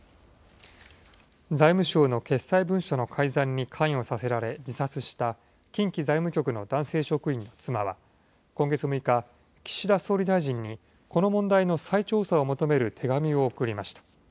財務省の決裁文書の改ざんに関与させられ自殺した近畿財務局の男性職員の妻は、今月６日、岸田総理大臣にこの問題の再調査を求める手紙を送りました。